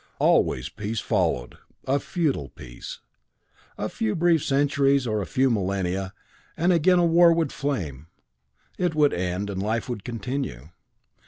"Always peace followed a futile peace. A few brief centuries or a few millennia, and again war would flame. It would end, and life would continue.